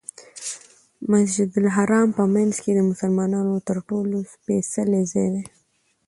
مسجدالحرام په منځ کې د مسلمانانو تر ټولو سپېڅلی ځای دی.